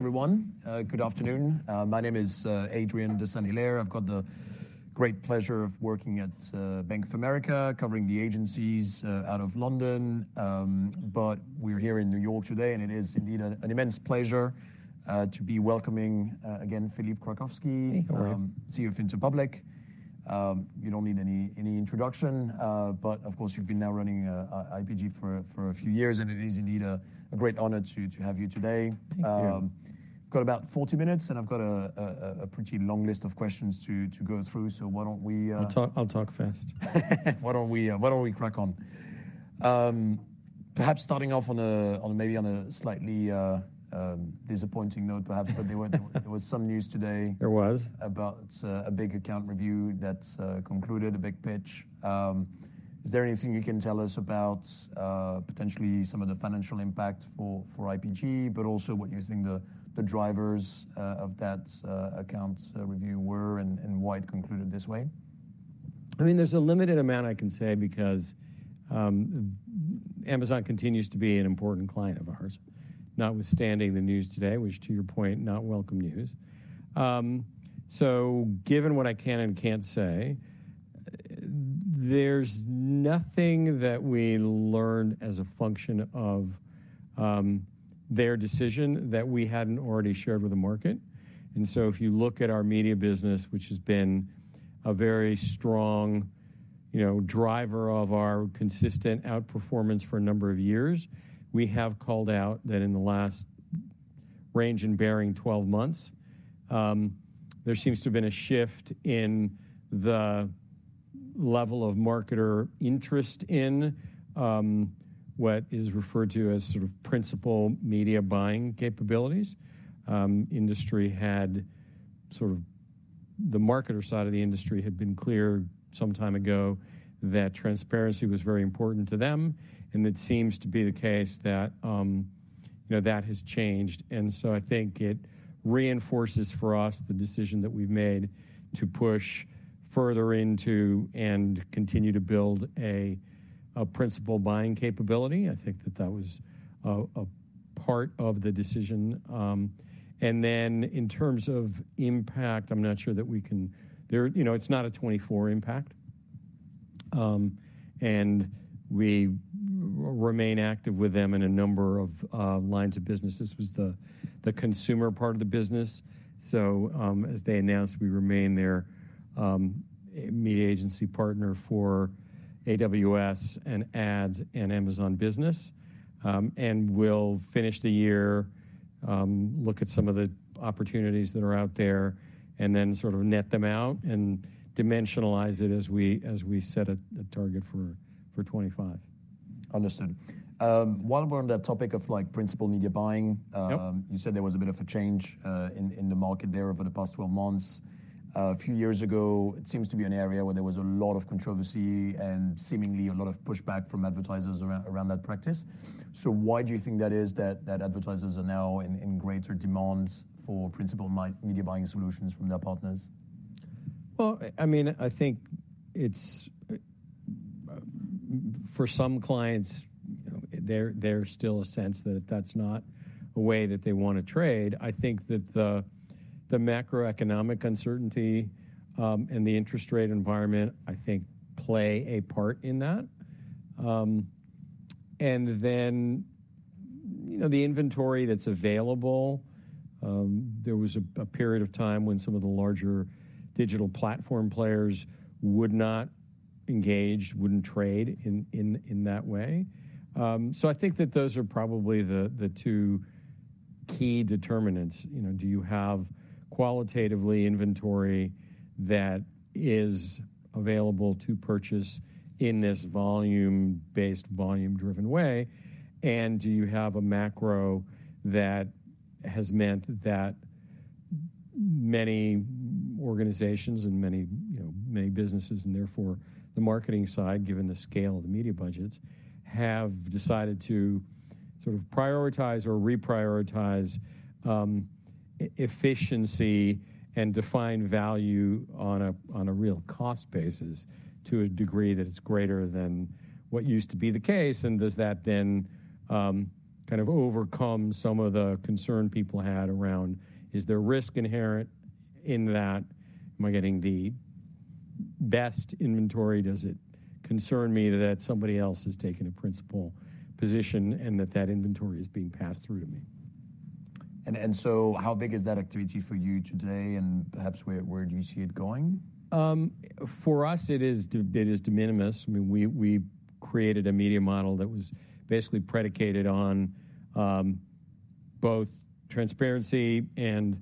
Good afternoon. My name is Adrien de Saint Hilaire. I've got the great pleasure of working at Bank of America, covering the agencies out of London, but we're here in New York today, and it is indeed an immense pleasure to be welcoming again, Philippe Krakowsky - Hey, Adrien.... CEO of Interpublic. You don't need any introduction, but of course, you've been now running IPG for a few years, and it is indeed a great honor to have you today. Thank you. We've got about forty minutes, and I've got a pretty long list of questions to go through, so why don't we I'll talk fast. Why don't we crack on? Perhaps starting off on a maybe slightly disappointing note, perhaps, but there was some news today- There was... about a big account review that concluded a big pitch. Is there anything you can tell us about potentially some of the financial impact for IPG, but also what you think the drivers of that account's review were and why it concluded this way? I mean, there's a limited amount I can say because Amazon continues to be an important client of ours, notwithstanding the news today, which, to your point, not welcome news. So given what I can and can't say, there's nothing that we learned as a function of their decision that we hadn't already shared with the market. And so if you look at our media business, which has been a very strong, you know, driver of our consistent outperformance for a number of years, we have called out that in the last twelve months there seems to have been a shift in the level of marketer interest in what is referred to as sort of principal media buying capabilities. Industry had sort of. The marketer side of the industry had been clear some time ago that transparency was very important to them, and it seems to be the case that, you know, that has changed. And so I think it reinforces for us the decision that we've made to push further into and continue to build a principal buying capability. I think that that was a part of the decision. And then in terms of impact, I'm not sure, you know, it's not a 24 impact. And we remain active with them in a number of lines of business. This was the consumer part of the business, so, as they announced, we remain their media agency partner for AWS and Ads and Amazon Business. and we'll finish the year, look at some of the opportunities that are out there, and then sort of net them out and dimensionalize it as we set a target for 2025. Understood. While we're on that topic of like, principal media buying- Yep... you said there was a bit of a change in the market there over the past twelve months. A few years ago, it seems to be an area where there was a lot of controversy and seemingly a lot of pushback from advertisers around that practice. So why do you think that is, that advertisers are now in greater demand for principal media buying solutions from their partners? I mean, I think it's for some clients, you know, there's still a sense that that's not a way that they want to trade. I think that the macroeconomic uncertainty and the interest rate environment, I think, play a part in that, and then, you know, the inventory that's available, there was a period of time when some of the larger digital platform players would not engage, wouldn't trade in that way, so I think that those are probably the two key determinants. You know, do you have qualitatively inventory that is available to purchase in this volume-based, volume-driven way. And do you have a macro that has meant that many organizations and many, you know, many businesses, and therefore the marketing side, given the scale of the media budgets, have decided to sort of prioritize or reprioritize, efficiency and define value on a real cost basis to a degree that it's greater than what used to be the case. And does that then kind of overcome some of the concern people had around: Is there risk inherent in that? Am I getting the best inventory? Does it concern me that somebody else has taken a principal position, and that that inventory is being passed through to me. So how big is that activity for you today, and perhaps where do you see it going? For us, it is de minimis. I mean, we created a media model that was basically predicated on both transparency and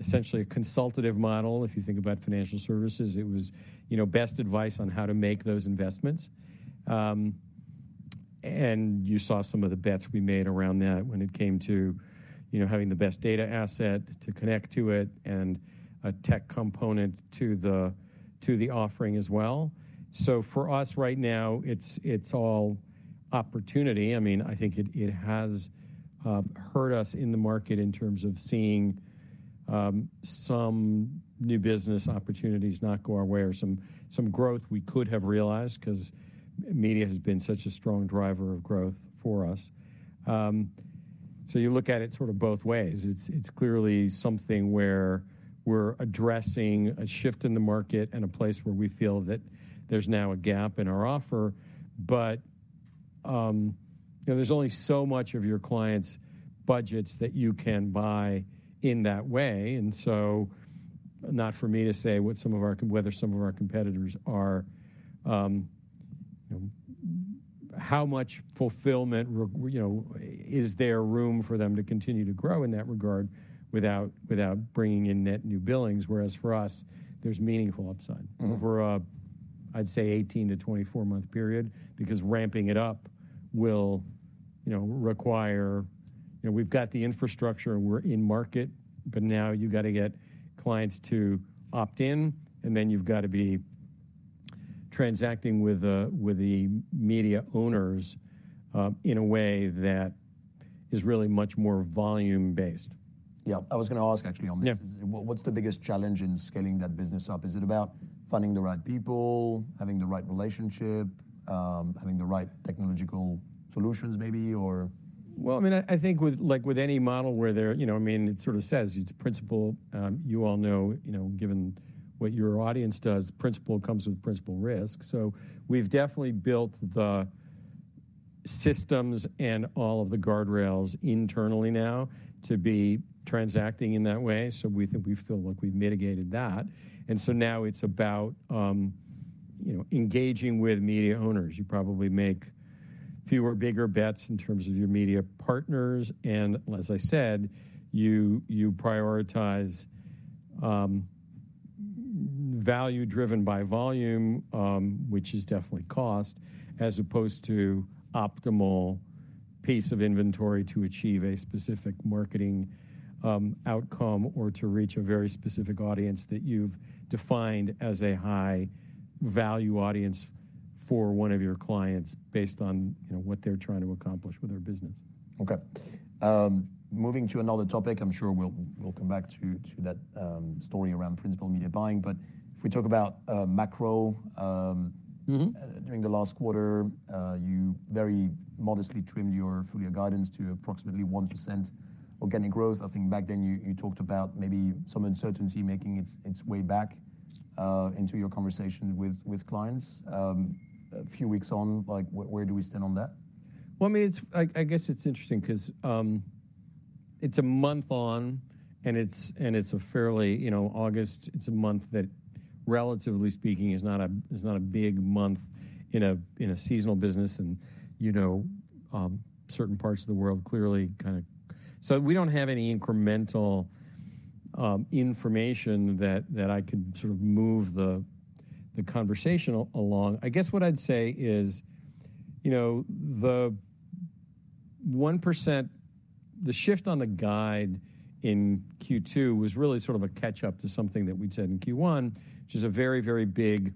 essentially a consultative model. If you think about financial services, it was, you know, best advice on how to make those investments. And you saw some of the bets we made around that when it came to, you know, having the best data asset to connect to it and a tech component to the offering as well. So for us, right now, it's all opportunity. I mean, I think it has hurt us in the market in terms of seeing some new business opportunities not go our way or some growth we could have realized, 'cause media has been such a strong driver of growth for us. So you look at it sort of both ways. It's clearly something where we're addressing a shift in the market and a place where we feel that there's now a gap in our offer. But you know, there's only so much of your clients' budgets that you can buy in that way, and so not for me to say what some of our-- whether some of our competitors are. How much fulfillment, you know, is there room for them to continue to grow in that regard without bringing in net new billings? Whereas for us, there's meaningful upside- Mm-hmm. -over a, I'd say, eighteen to twenty-four-month period, because ramping it up will, you know, require... You know, we've got the infrastructure, and we're in market, but now you've got to get clients to opt in, and then you've got to be transacting with the, with the media owners, in a way that is really much more volume-based. Yeah. I was gonna ask, actually, on this. Yeah. What, what's the biggest challenge in scaling that business up? Is it about finding the right people, having the right relationship, having the right technological solutions maybe, or...? I mean, I think with any model. You know, I mean, it sort of says it's principal. You all know, given what your audience does, principal comes with principal risk. So we've definitely built the systems and all of the guardrails internally now to be transacting in that way. So we think we feel like we've mitigated that, and so now it's about, you know, engaging with media owners. You probably make fewer, bigger bets in terms of your media partners, and as I said, you prioritize value-driven by volume, which is definitely cost, as opposed to optimal piece of inventory to achieve a specific marketing outcome or to reach a very specific audience that you've defined as a high-value audience for one of your clients based on, you know, what they're trying to accomplish with their business. Okay. Moving to another topic, I'm sure we'll come back to that story around principal media buying. But if we talk about macro, - Mm-hmm... during the last quarter, you very modestly trimmed your full-year guidance to approximately 1% organic growth. I think back then you talked about maybe some uncertainty making its way back into your conversation with clients. A few weeks on, like, where do we stand on that? I mean, it's interesting 'cause it's a month on, and it's a fairly. You know, August, it's a month that, relatively speaking, is not a big month in a seasonal business and, you know, certain parts of the world clearly kind of. So we don't have any incremental information that I could sort of move the conversation along. I guess what I'd say is, you know, the 1% shift on the guide in Q2 was really sort of a catch-up to something that we'd said in Q1, which is a very, very big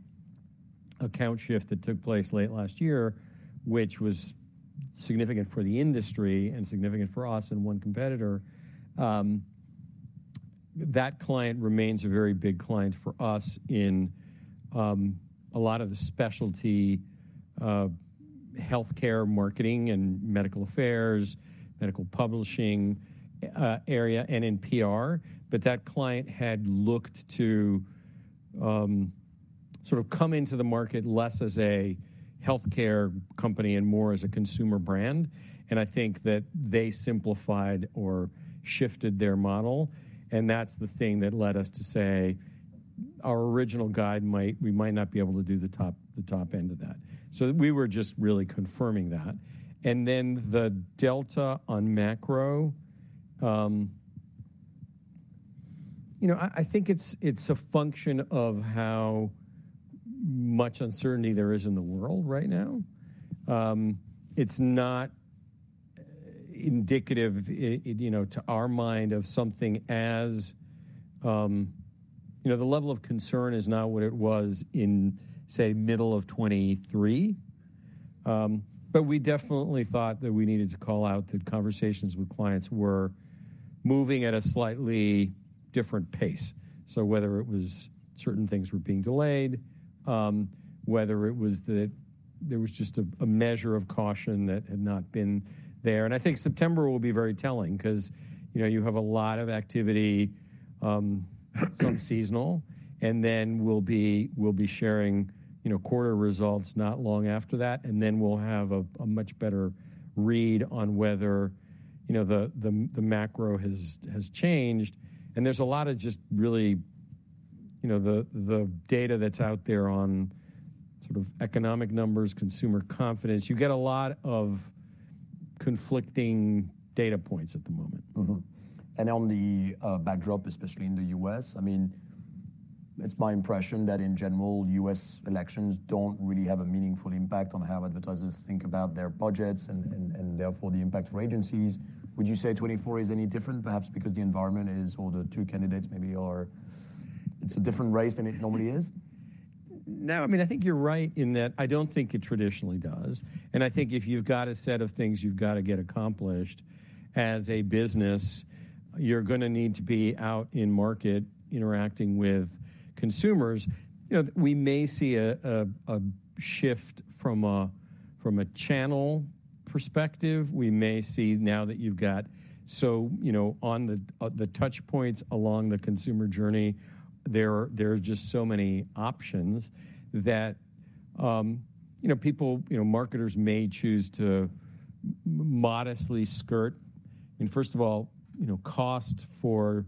account shift that took place late last year, which was significant for the industry and significant for us and one competitor. That client remains a very big client for us in a lot of the specialty healthcare marketing and medical affairs, medical publishing area, and in PR. But that client had looked to sort of come into the market less as a healthcare company and more as a consumer brand, and I think that they simplified or shifted their model, and that's the thing that led us to say, "Our original guide might we might not be able to do the top end of that." So we were just really confirming that. And then the delta on macro, you know, I think it's a function of how much uncertainty there is in the world right now. It's not indicative it, you know, to our mind, of something as, You know, the level of concern is not what it was in, say, middle of 2023, but we definitely thought that we needed to call out that conversations with clients were moving at a slightly different pace. So whether it was certain things were being delayed, whether it was that there was just a measure of caution that had not been there. I think September will be very telling, 'cause, you know, you have a lot of activity, seasonal, and then we'll be sharing, you know, quarter results not long after that, and then we'll have a much better read on whether, you know, the macro has changed. There's a lot of just really, you know, the data that's out there on sort of economic numbers, consumer confidence. You get a lot of conflicting data points at the moment. Mm-hmm. And on the backdrop, especially in the U.S., I mean, it's my impression that in general, U.S. elections don't really have a meaningful impact on how advertisers think about their budgets and therefore the impact for agencies. Would you say 2024 is any different, perhaps because the environment is, or the two candidates maybe are, it's a different race than it normally is? No, I mean, I think you're right in that I don't think it traditionally does, and I think if you've got a set of things you've got to get accomplished as a business, you're gonna need to be out in market interacting with consumers. You know, we may see a shift from a channel perspective. We may see now that you've got. So, you know, on the the touch points along the consumer journey, there are just so many options that, you know, people, you know, marketers may choose to modestly skirt. And first of all, you know, cost for,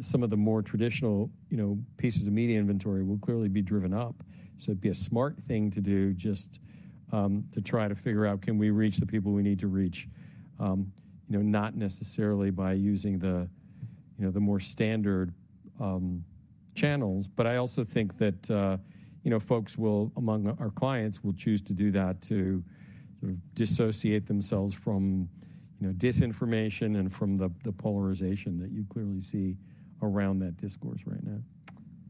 some of the more traditional, you know, pieces of media inventory will clearly be driven up. So it'd be a smart thing to do just to try to figure out can we reach the people we need to reach, you know, not necessarily by using the you know the more standard channels. But I also think that you know folks will, among our clients, choose to do that to sort of dissociate themselves from you know disinformation and from the polarization that you clearly see around that discourse right now.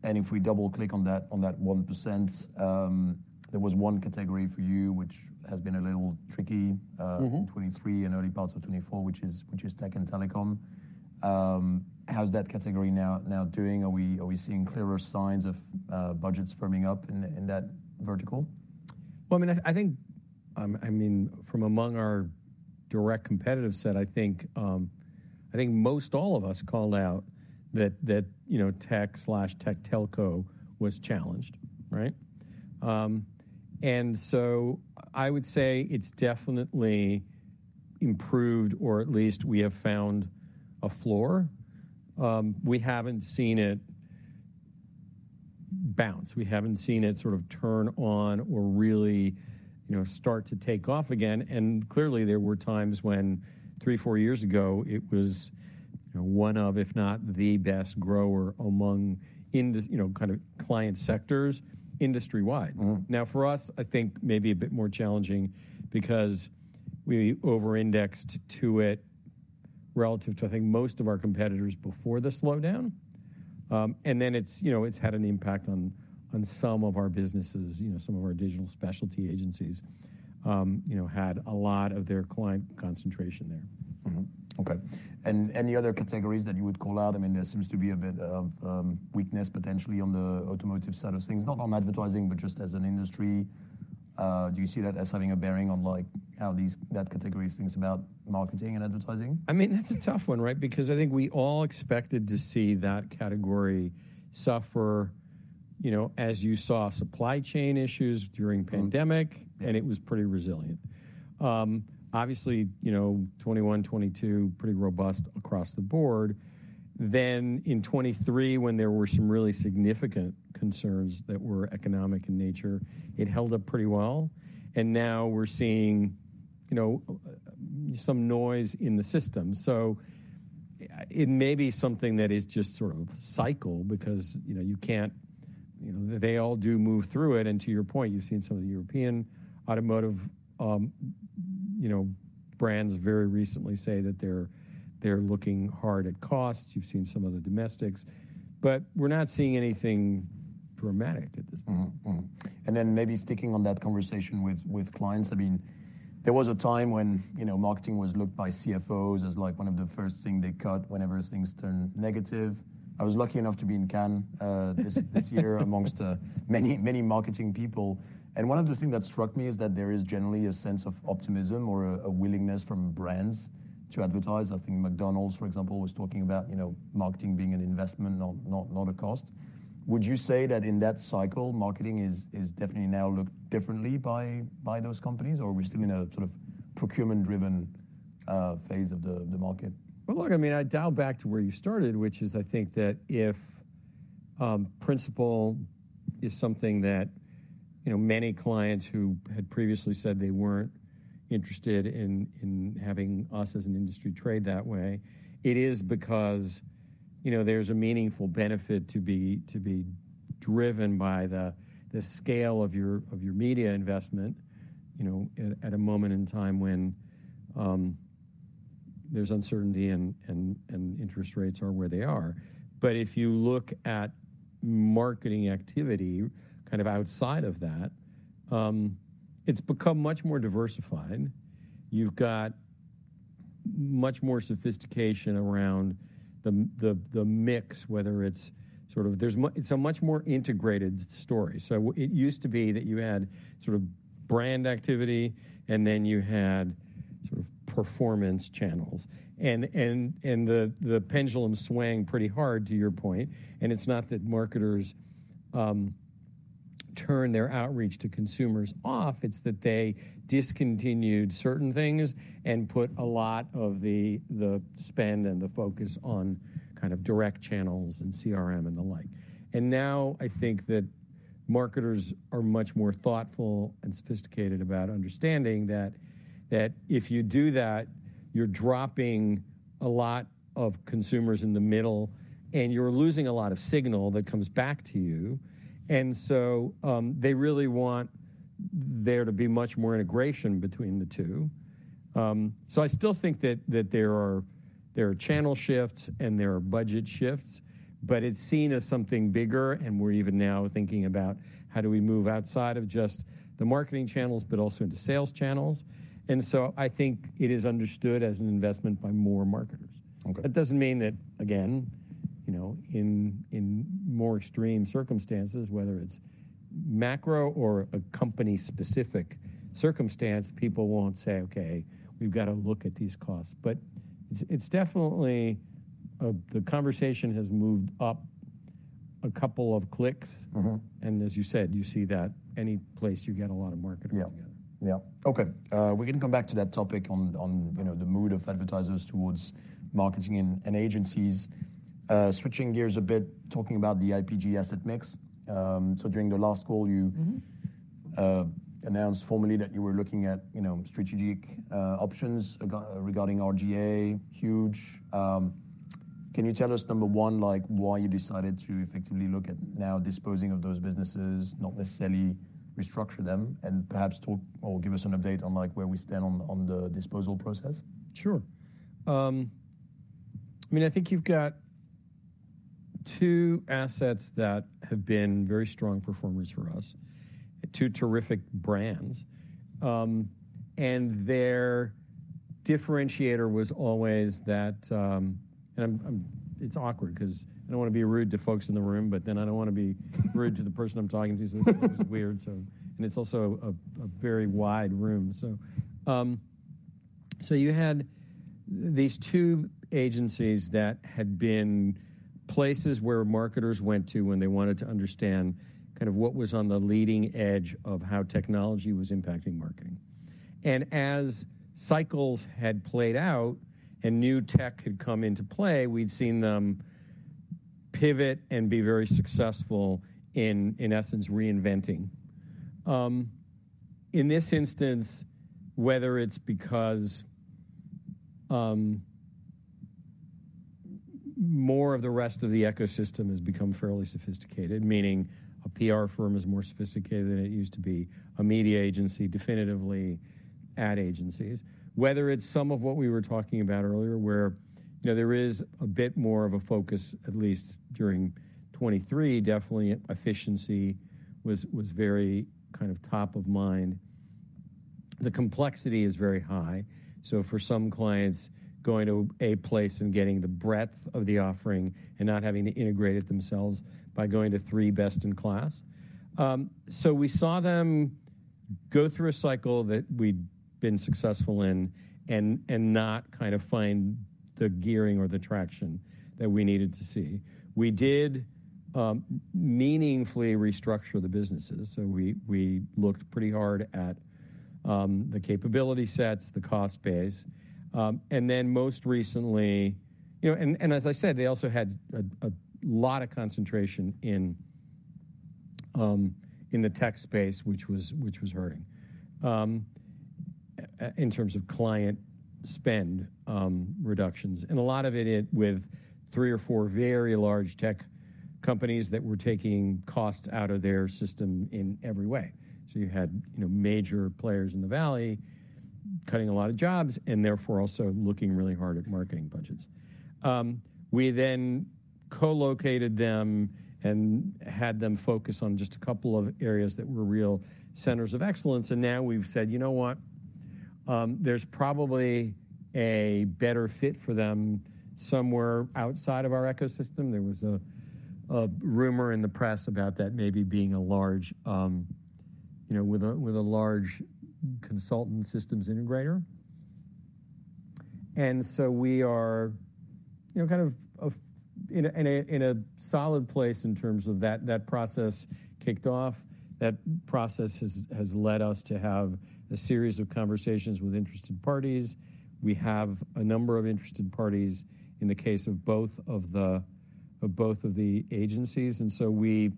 If we double-click on that, on that 1%, there was one category for you, which has been a little tricky. Mm-hmm... in 2023 and early parts of 2024, which is tech and telecom. How's that category now doing? Are we seeing clearer signs of budgets firming up in that vertical? I mean, I think, I mean, from among our direct competitive set, I think most all of us called out that you know tech/tech telco was challenged, right? And so I would say it's definitely improved, or at least we have found a floor. We haven't seen it bounce. We haven't seen it sort of turn on or really, you know, start to take off again. And clearly, there were times when three, four years ago, it was, you know, one of, if not, the best grower among industries you know kind of client sectors, industry-wide. Mm-hmm. Now, for us, I think maybe a bit more challenging because we over-indexed to it relative to, I think, most of our competitors before the slowdown. And then it's, you know, it's had an impact on some of our businesses. You know, some of our digital specialty agencies, you know, had a lot of their client concentration there. Mm-hmm. Okay. And any other categories that you would call out? I mean, there seems to be a bit of weakness, potentially on the automotive side of things, not on advertising, but just as an industry. Do you see that as having a bearing on, like, how these, that category thinks about marketing and advertising? I mean, that's a tough one, right? Because I think we all expected to see that category suffer, you know, as you saw supply chain issues during pandemic- Mm... and it was pretty resilient. Obviously, you know, 2021, 2022, pretty robust across the board. Then in 2023, when there were some really significant concerns that were economic in nature, it held up pretty well, and now we're seeing, you know, some noise in the system. So it may be something that is just sort of cycle because, you know, you can't. You know, they all do move through it, and to your point, you've seen some of the European automotive, you know, brands very recently say that they're looking hard at costs. You've seen some of the domestics, but we're not seeing anything dramatic at this point. Mm-hmm. Mm-hmm. And then maybe sticking on that conversation with clients. I mean, there was a time when, you know, marketing was looked by CFOs as, like, one of the first thing they cut whenever things turned negative. I was lucky enough to be in Cannes this year, among many marketing people. And one of the things that struck me is that there is generally a sense of optimism or a willingness from brands to advertise. I think McDonald's, for example, was talking about, you know, marketing being an investment, not, not, not a cost. Would you say that in that cycle, marketing is definitely now looked differently by those companies, or are we still in a sort of procurement-driven phase of the market? Well, look, I mean, I dial back to where you started, which is I think that if principal is something that, you know, many clients who had previously said they weren't interested in having us as an industry trade that way, it is because, you know, there's a meaningful benefit to be driven by the scale of your media investment, you know, at a moment in time when there's uncertainty and interest rates are where they are. But if you look at marketing activity, kind of outside of that, it's become much more diversified. You've got much more sophistication around the mix, whether it's sort of... There's it's a much more integrated story. So it used to be that you had sort of brand activity, and then you had sort of performance channels, and the pendulum swung pretty hard, to your point. And it's not that marketers turn their outreach to consumers off, it's that they discontinued certain things and put a lot of the spend and the focus on kind of direct channels and CRM and the like. And now, I think that marketers are much more thoughtful and sophisticated about understanding that if you do that, you're dropping a lot of consumers in the middle, and you're losing a lot of signal that comes back to you. And so they really want there to be much more integration between the two. So I still think that there are channel shifts and budget shifts, but it's seen as something bigger, and we're even now thinking about: How do we move outside of just the marketing channels, but also into sales channels? And so I think it is understood as an investment by more marketers. Okay. That doesn't mean that, again, you know, in more extreme circumstances, whether it's macro or a company-specific circumstance, people won't say, "Okay, we've got to look at these costs." But it's definitely the conversation has moved up a couple of clicks. Mm-hmm. And as you said, you see that any place you get a lot of marketing all together. Yeah. Yeah. Okay, we're gonna come back to that topic on, you know, the mood of advertisers towards marketing and agencies. Switching gears a bit, talking about the IPG asset mix. So during the last call, you- Mm-hmm... announced formally that you were looking at, you know, strategic options regarding R/GA. Huge. Can you tell us, number one, like, why you decided to effectively look at now disposing of those businesses, not necessarily restructure them? And perhaps talk or give us an update on, like, where we stand on the disposal process. Sure. I mean, I think you've got two assets that have been very strong performers for us, two terrific brands. And their differentiator was always that. And I'm. It's awkward, 'cause I don't want to be rude to folks in the room, but then I don't want to be rude to the person I'm talking to. So this is weird. And it's also a very wide room. So you had these two agencies that had been places where marketers went to when they wanted to understand kind of what was on the leading edge of how technology was impacting marketing. And as cycles had played out and new tech had come into play, we'd seen them pivot and be very successful in essence, reinventing. In this instance, whether it's because more of the rest of the ecosystem has become fairly sophisticated, meaning a PR firm is more sophisticated than it used to be, a media agency, definitively ad agencies. Whether it's some of what we were talking about earlier, where, you know, there is a bit more of a focus, at least during 2023, definitely efficiency was very kind of top of mind. The complexity is very high, so for some clients, going to a place and getting the breadth of the offering and not having to integrate it themselves by going to three best-in-class. So we saw them go through a cycle that we'd been successful in and not kind of find the gearing or the traction that we needed to see. We did meaningfully restructure the businesses, so we looked pretty hard at the capability sets, the cost base. And then most recently, you know, and as I said, they also had a lot of concentration in the tech space, which was hurting in terms of client spend reductions. And a lot of it hit with three or four very large tech companies that were taking costs out of their system in every way. So you had, you know, major players in the valley cutting a lot of jobs, and therefore, also looking really hard at marketing budgets. We then co-located them and had them focus on just a couple of areas that were real centers of excellence, and now we've said, "You know what? There's probably a better fit for them somewhere outside of our ecosystem." There was a rumor in the press about that maybe being a large, you know, with a large consultant systems integrator. And so we are, you know, kind of in a solid place in terms of that. That process kicked off. That process has led us to have a series of conversations with interested parties. We have a number of interested parties in the case of both of the agencies, and so we,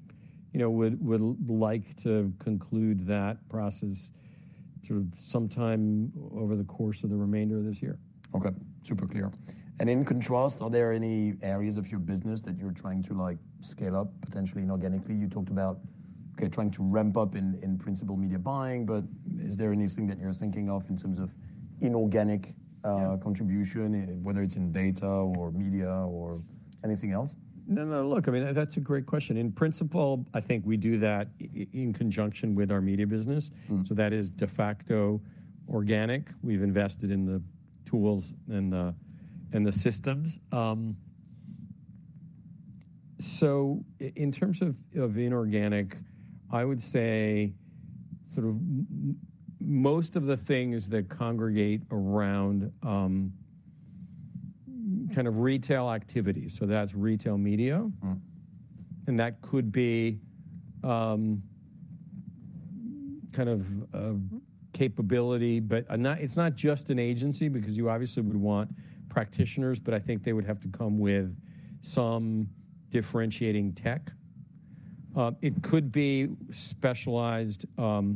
you know, would like to conclude that process sort of sometime over the course of the remainder of this year. Okay. Super clear and in contrast, are there any areas of your business that you're trying to, like, scale up, potentially inorganically? You talked about, okay, trying to ramp up in principal media buying, but is there anything that you're thinking of in terms of inorganic, Yeah... contribution, whether it's in data or media or anything else? No, no. Look, I mean, that's a great question. In principle, I think we do that in conjunction with our media business. Mm. So that is De Facto Organic. We've invested in the tools and the systems. So in terms of inorganic, I would say sort of most of the things that congregate around kind of retail activity, so that's retail media. Mm. And that could be, kind of a capability, but not... It's not just an agency, because you obviously would want practitioners, but I think they would have to come with some differentiating tech. It could be specialized, kind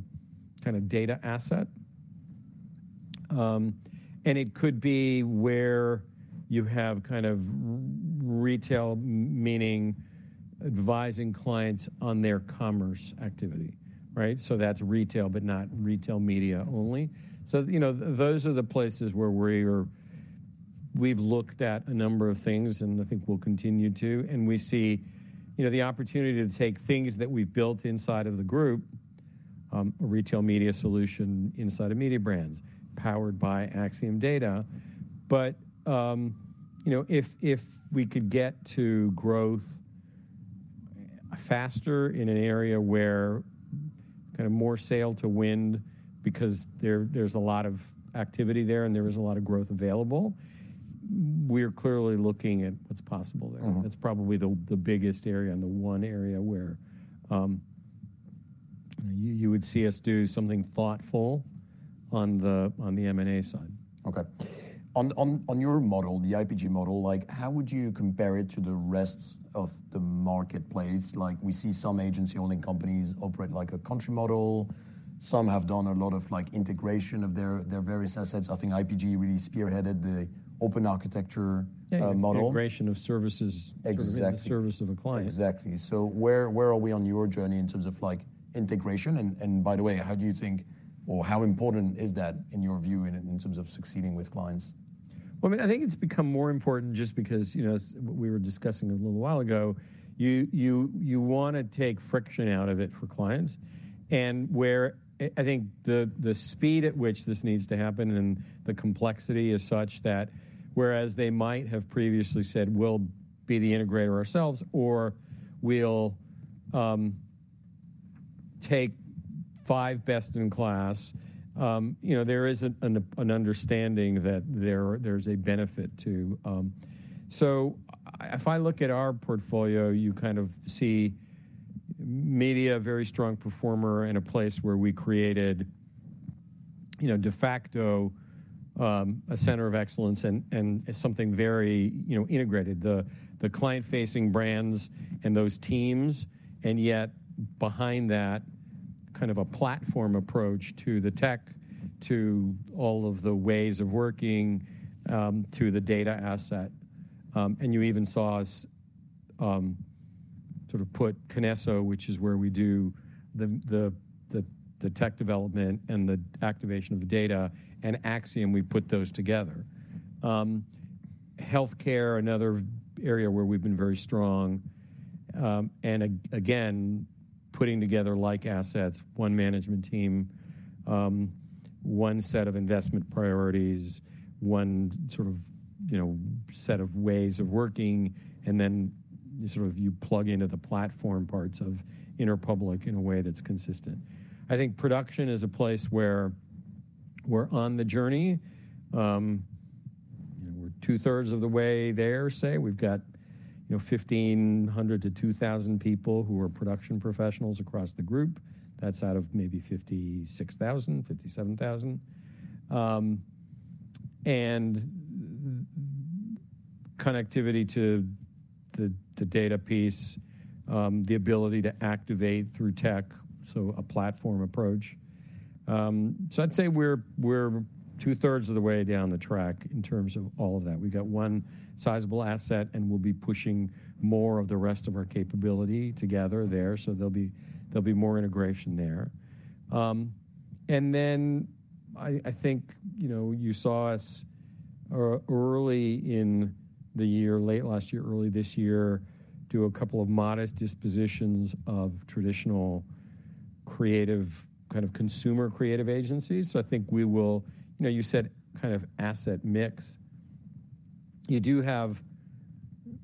of data asset. And it could be where you have kind of retail, meaning advising clients on their commerce activity, right? So that's retail, but not retail media only. So, you know, those are the places where we've looked at a number of things, and I think we'll continue to, and we see, you know, the opportunity to take things that we've built inside of the group, a retail media solution inside of Mediabrands, powered by Acxiom data. But, you know, if we could get to growth faster in an area where kind of more sail to wind because there's a lot of activity there and there is a lot of growth available, we're clearly looking at what's possible there. Mm-hmm. That's probably the biggest area and the one area where you would see us do something thoughtful on the M&A side. Okay. On your model, the IPG model, like, how would you compare it to the rest of the marketplace? Like, we see some agency-holding companies operate like a country model. Some have done a lot of, like, integration of their various assets. I think IPG really spearheaded the open architecture model. Yeah, integration of services- Exactly... in the service of a client. Exactly. So where are we on your journey in terms of, like, integration? And by the way, how do you think or how important is that in your view, in terms of succeeding with clients? I mean, I think it's become more important just because, you know, as we were discussing a little while ago, you wanna take friction out of it for clients. Where I think the speed at which this needs to happen and the complexity is such that whereas they might have previously said, "We'll be the integrator ourselves," or "We'll take five best in class," you know, there is an understanding that there's a benefit, too. If I look at our portfolio, you kind of see media, a very strong performer, in a place where we created, you know, De Facto, a center of excellence and something very, you know, integrated. The client-facing brands and those teams, and yet behind that, kind of a platform approach to the tech, to all of the ways of working, to the data asset. And you even saw us, sort of put KINESSO, which is where we do the tech development and the activation of the data, and Acxiom; we put those together. Healthcare, another area where we've been very strong, and again, putting together like assets, one management team, one set of investment priorities, one sort of, you know, set of ways of working, and then you sort of, you plug into the platform parts of Interpublic in a way that's consistent. I think production is a place where we're on the journey. You know, we're two-thirds of the way there, say. We've got, you know, 1,500 to 2,000 people who are production professionals across the group. That's out of maybe 56,000, 57,000. And the connectivity to the data piece, the ability to activate through tech, so a platform approach. So I'd say we're two-thirds of the way down the track in terms of all of that. We've got one sizable asset, and we'll be pushing more of the rest of our capability together there, so there'll be more integration there. And then I think, you know, you saw us early in the year, late last year, early this year, do a couple of modest dispositions of traditional, creative, kind of consumer creative agencies. So I think we will. You know, you said kind of asset mix. You do have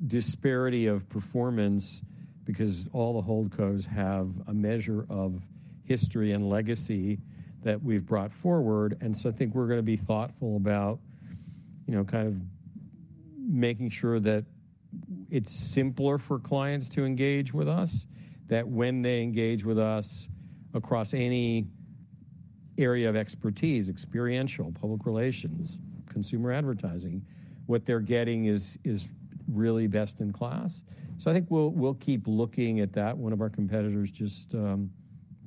disparity of performance because all the HoldCos have a measure of history and legacy that we've brought forward, and so I think we're gonna be thoughtful about, you know, kind of making sure that it's simpler for clients to engage with us, that when they engage with us across any area of expertise, experiential, public relations, consumer advertising, what they're getting is really best in class. So I think we'll keep looking at that. One of our competitors just a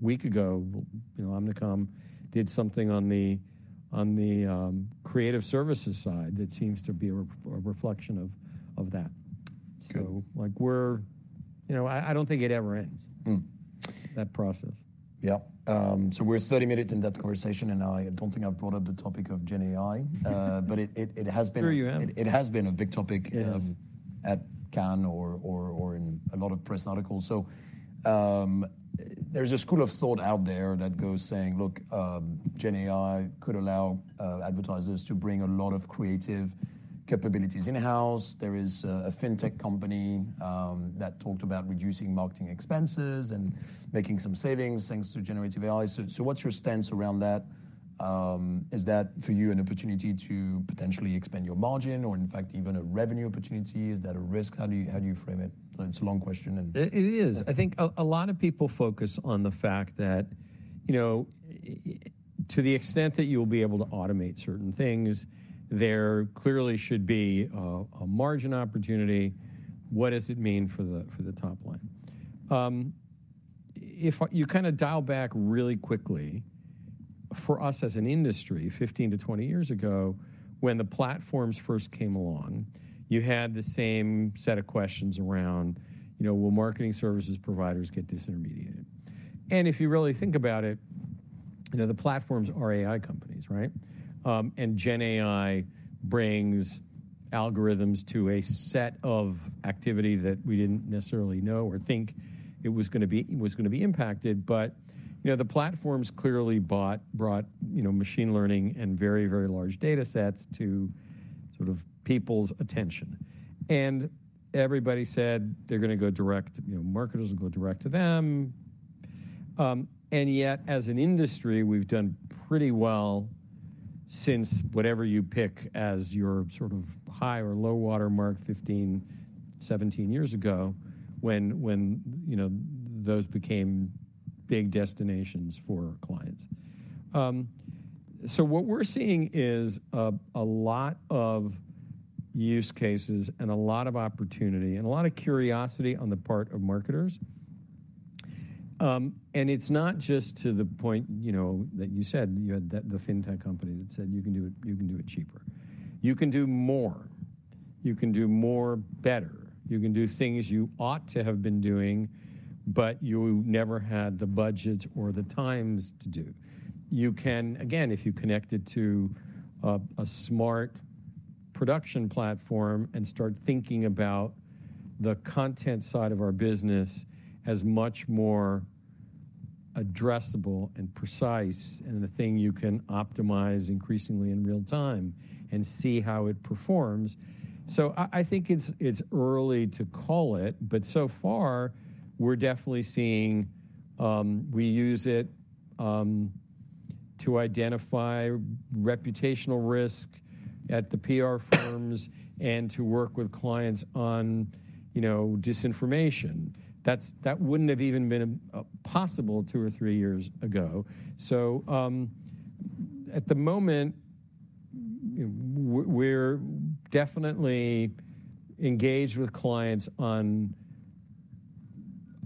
week ago, you know, Omnicom, did something on the creative services side that seems to be a reflection of that. Good. Like, we're... You know, I don't think it ever ends. Mm... that process. Yeah. So we're 30 minutes in that conversation, and I don't think I've brought up the topic of GenAI, but it has been- Sure you have. It has been a big topic. Yes... at Cannes or in a lot of press articles. So, there's a school of thought out there that goes saying, look, GenAI could allow advertisers to bring a lot of creative capabilities in-house. There is a fintech company that talked about reducing marketing expenses and making some savings, thanks to Generative AI. So, what's your stance around that? Is that, for you, an opportunity to potentially expand your margin or, in fact, even a revenue opportunity? Is that a risk? How do you frame it? It's a long question and- It is. Okay. I think a lot of people focus on the fact that, you know, to the extent that you'll be able to automate certain things, there clearly should be a margin opportunity. What does it mean for the top line? If you kind of dial back really quickly, for us as an industry, 15-20 years ago, when the platforms first came along, you had the same set of questions around, you know, will marketing services providers get disintermediated? If you really think about it, you know, the platforms are AI companies, right, and GenAI brings algorithms to a set of activity that we didn't necessarily know or think it was gonna be impacted, but you know, the platforms clearly brought, you know, machine learning and very, very large data sets to sort of people's attention. And everybody said they're gonna go direct, you know, marketers will go direct to them. And yet, as an industry, we've done pretty well since whatever you pick as your sort of high or low water mark fifteen, seventeen years ago, when you know, those became big destinations for clients. So what we're seeing is a lot of use cases and a lot of opportunity and a lot of curiosity on the part of marketers. And it's not just to the point, you know, that you said. You had the fintech company that said, "You can do it, you can do it cheaper." You can do more. You can do more, better. You can do things you ought to have been doing, but you never had the budgets or the times to do. You can, again, if you connected to a smart production platform and start thinking about the content side of our business as much more addressable and precise, and a thing you can optimize increasingly in real time and see how it performs. So I think it's early to call it, but so far we're definitely seeing. We use it to identify reputational risk at the PR firms and to work with clients on, you know, disinformation. That wouldn't have even been possible two or three years ago. So, at the moment, we're definitely engaged with clients on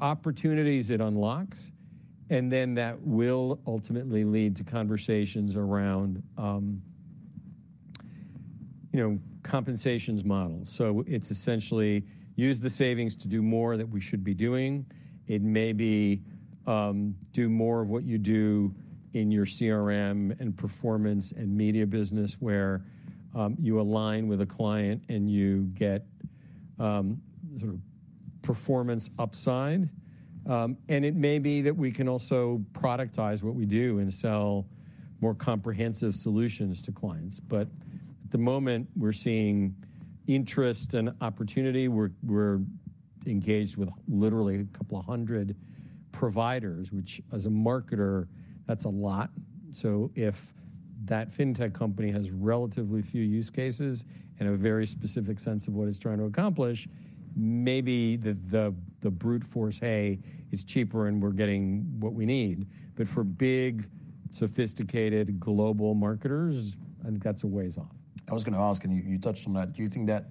opportunities it unlocks, and then that will ultimately lead to conversations around, you know, compensation models. So it's essentially use the savings to do more that we should be doing. It may be do more of what you do in your CRM and performance and media business, where you align with a client and you get sort of performance upside, and it may be that we can also productize what we do and sell more comprehensive solutions to clients, but at the moment, we're seeing interest and opportunity. We're engaged with literally a couple of hundred providers, which as a marketer, that's a lot, so if that fintech company has relatively few use cases and a very specific sense of what it's trying to accomplish, maybe the brute force, "Hey, it's cheaper and we're getting what we need," but for big, sophisticated global marketers, I think that's a ways off. I was gonna ask, and you touched on that, Do you think that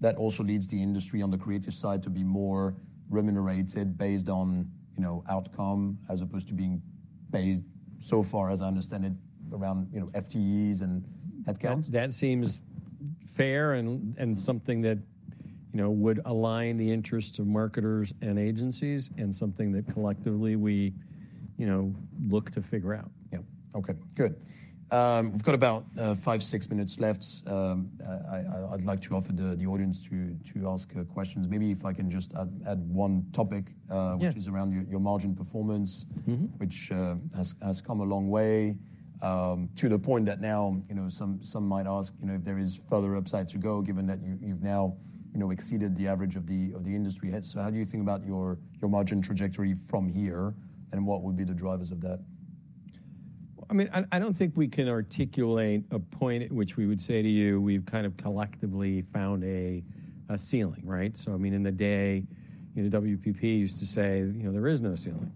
that also leads the industry on the creative side to be more remunerated based on, you know, outcome, as opposed to being based, so far as I understand it, around, you know, FTEs and headcounts? That seems fair and something that, you know, would align the interests of marketers and agencies, and something that collectively we, you know, look to figure out. Yeah. Okay, good. We've got about five, six minutes left. I'd like to offer the audience to ask questions. Maybe if I can just add one topic- Yeah... which is around your margin performance- Mm-hmm... which has come a long way to the point that now, you know, some might ask, you know, if there is further upside to go, given that you've now, you know, exceeded the average of the industry heads. So how do you think about your margin trajectory from here, and what would be the drivers of that? I mean, I don't think we can articulate a point at which we would say to you, we've kind of collectively found a ceiling, right, so I mean, in the day, you know, WPP used to say, you know, "There is no ceiling."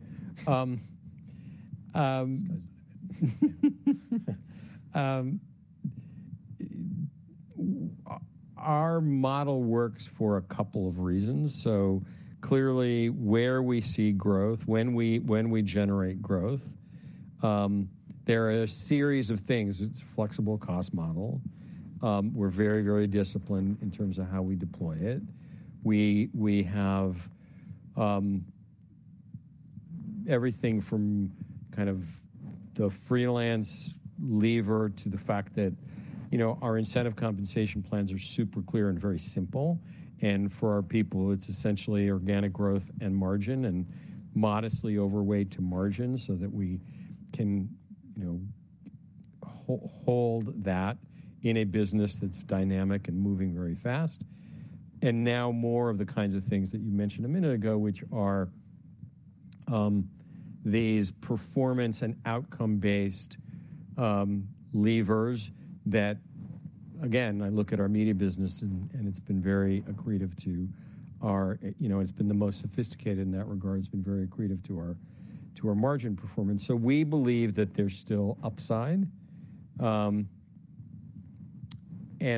Our model works for a couple of reasons, so clearly, where we see growth, when we generate growth, there are a series of things. It's a flexible cost model. We're very, very disciplined in terms of how we deploy it. We have everything from kind of the freelance lever to the fact that, you know, our incentive compensation plans are super clear and very simple. And for our people, it's essentially organic growth and margin, and modestly overweight to margin so that we can, you know, hold that in a business that's dynamic and moving very fast. And now more of the kinds of things that you mentioned a minute ago, which are these performance and outcome-based levers that again, I look at our media business and it's been very accretive to our. You know, it's been the most sophisticated in that regard. It's been very accretive to our margin performance. So we believe that there's still upside. And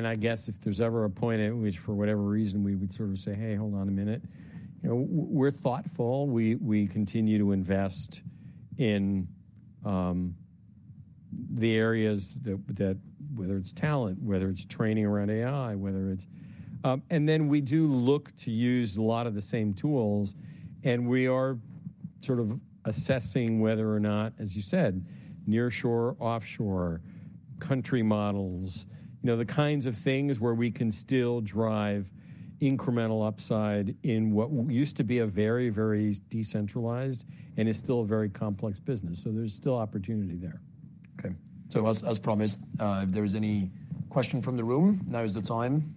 I guess if there's ever a point at which, for whatever reason, we would sort of say, "Hey, hold on a minute," you know, we're thoughtful. We continue to invest in the areas that whether it's talent, whether it's training around AI, whether it's. And then we do look to use a lot of the same tools, and we are sort of assessing whether or not, as you said, nearshore, offshore, country models, you know, the kinds of things where we can still drive incremental upside in what used to be a very, very decentralized and is still a very complex business, so there's still opportunity there. Okay. So as promised, if there is any question from the room, now is the time.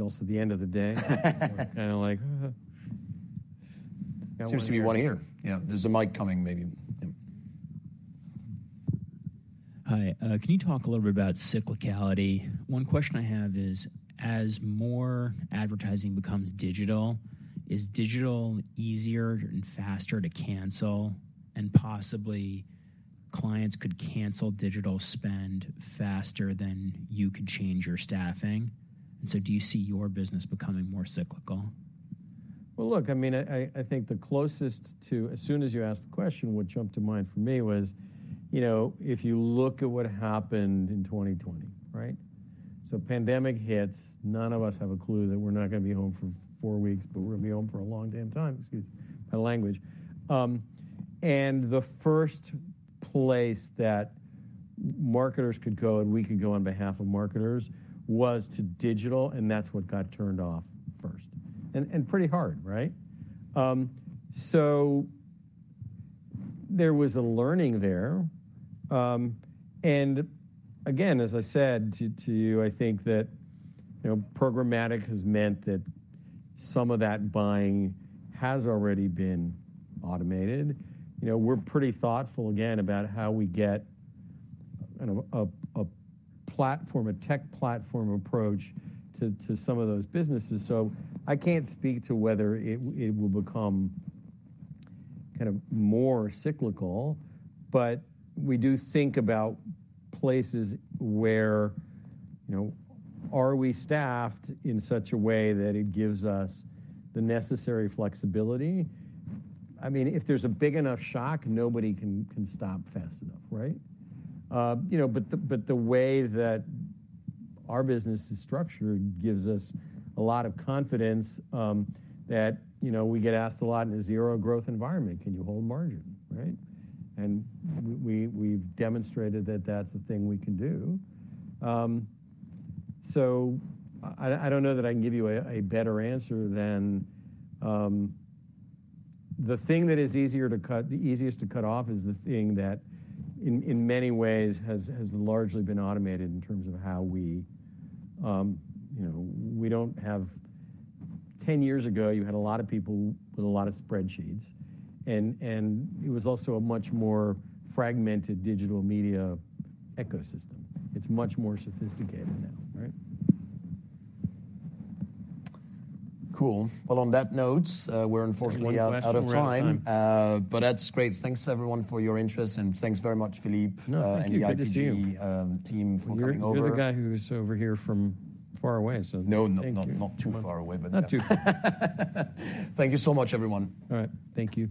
It is also the end of the day. Kind of like... Seems to be one here. Yeah, there's a mic coming, maybe. Hi. Can you talk a little bit about cyclicality? One question I have is: As more advertising becomes digital, is digital easier and faster to cancel? And possibly, clients could cancel digital spend faster than you could change your staffing. And so do you see your business becoming more cyclical? Well, look, I mean, I think. As soon as you asked the question, what jumped to mind for me was, you know, if you look at what happened in 2020, right? So pandemic hits, none of us have a clue that we're not gonna be home for four weeks, but we're gonna be home for a long damn time. Excuse my language. And the first place that marketers could go, and we could go on behalf of marketers, was to digital, and that's what got turned off first, and pretty hard, right? So there was a learning there. And again, as I said to you, I think that, you know, programmatic has meant that some of that buying has already been automated. You know, we're pretty thoughtful again about how we get kind of a platform, a tech platform approach to some of those businesses. So I can't speak to whether it will become kind of more cyclical, but we do think about places where, you know, are we staffed in such a way that it gives us the necessary flexibility? I mean, if there's a big enough shock, nobody can stop fast enough, right? You know, but the way that our business is structured gives us a lot of confidence that, you know, we get asked a lot in a zero-growth environment, "Can you hold margin?" Right? And we, we've demonstrated that that's a thing we can do. So I don't know that I can give you a better answer than the thing that is easier to cut. The easiest to cut off is the thing that in many ways has largely been automated in terms of how we... You know, we don't have 10 years ago, you had a lot of people with a lot of spreadsheets, and it was also a much more fragmented digital media ecosystem. It's much more sophisticated now, right? Cool. Well, on that note, we're unfortunately- One last question.... out of time, but that's great. Thanks, everyone, for your interest, and thanks very much, Philippe- No, thank you. Good to see you. And the IPG team for coming over. You're the guy who's over here from far away, so- No, not too far away, but... Not too far. Thank you so much, everyone. All right. Thank you.